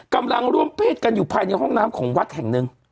กำลังร่วมเพศกันอยู่ภายในห้องน้ำของวัดแห่งหนึ่ง